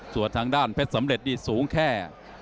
ส่วนทางด้านเพชรสำเร็จนี่สูงแค่